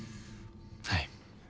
はい。